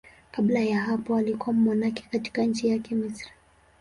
Kabla ya hapo alikuwa mmonaki katika nchi yake, Misri.